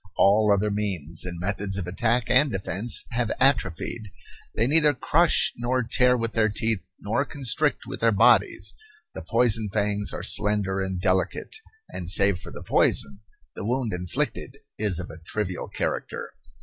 All other means and methods of attack and defence have atrophied. They neither crush nor tear with their teeth nor constrict with their bodies. The poison fangs are slender and delicate, and, save for the poison, the wound inflicted is of a trivial character.